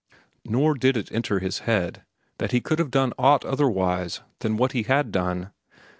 Nor did it enter his head that he could have done aught otherwise than what he had done.